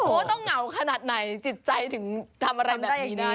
โอ้โหต้องเหงาขนาดไหนจิตใจถึงทำอะไรแบบนี้ได้